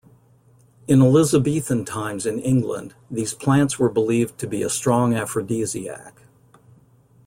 In Elizabethan times in England, these plants were believed to be a strong aphrodisiac.